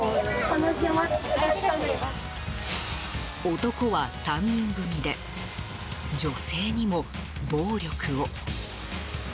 男は３人組で女性にも暴力を。